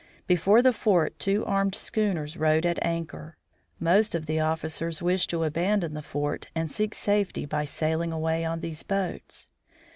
Before the fort two armed schooners rode at anchor. Most of the officers wished to abandon the fort and seek safety by sailing away on these boats.